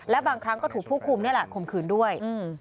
และบางครั้งก็ถูกผู้คุมนี่แหละข่มขืนด้วย